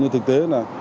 thực tế là